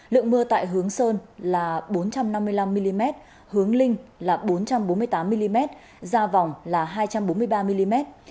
lượng mưa tại hướng sơn là bốn trăm năm mươi năm mm hướng linh là bốn trăm bốn mươi tám mm gia vòng là hai trăm bốn mươi ba mm